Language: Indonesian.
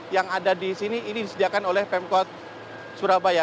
yang ada di sini ini disediakan oleh pemkot surabaya